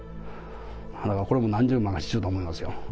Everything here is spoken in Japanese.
これも何十万かしてると思いますよ。